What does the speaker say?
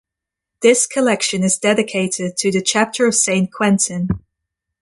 This collection is dedicated to the chapter of Saint Quentin.